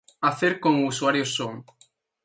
hacer como usuario son